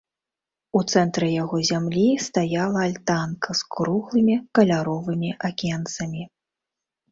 У цэнтры яго зямлі стаяла альтанка з круглымі каляровымі акенцамі.